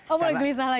oh mulai gelisah lagi